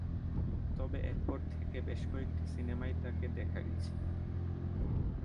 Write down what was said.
তবে এরপর থেকে বেশ কয়েকটি সিনেমায় তাকে দেখা গেছে।